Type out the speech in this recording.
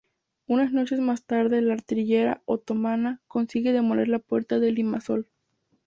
Unas noches más tarde la artillería otomana consigue demoler la puerta de Limasol.